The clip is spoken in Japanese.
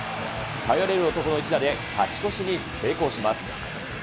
頼れる男の一打で、勝ち越しに成功します。